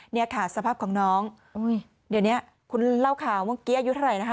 เนี่ยค่ะสภาพของน้องเดี๋ยวนี้คุณเล่าข่าวเมื่อกี้อายุเท่าไหร่นะคะ